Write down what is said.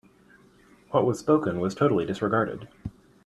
What was spoken was totally disregarded.